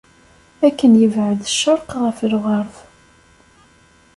Akken yebɛed ccerq ɣef lɣerb.